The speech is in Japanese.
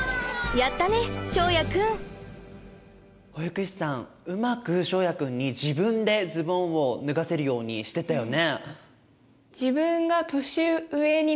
やったね翔也くん！保育士さんうまく翔也くんに自分でズボンを脱がせるようにしてたよね。